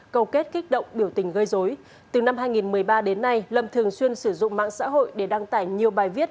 cầu kết kích động biểu tình gây dối từ năm hai nghìn một mươi ba đến nay lâm thường xuyên sử dụng mạng xã hội để đăng tải nhiều bài viết